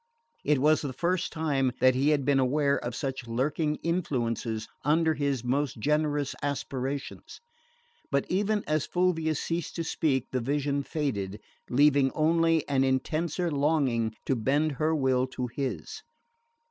It was the first time that he had been aware of such lurking influences under his most generous aspirations; but even as Fulvia ceased to speak the vision faded, leaving only an intenser longing to bend her will to his.